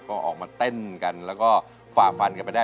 ก็ออกมาเต้นกันแล้วก็ฝ่าฟันกันไปได้